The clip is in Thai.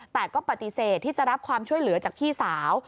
แต่ก็ปฏิเสธที่จะรับความช่วยเหลือจากพี่สาว